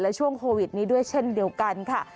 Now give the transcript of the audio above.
และช่วงโควิดนี้ด้วยเช่นเดียวกันค่ะ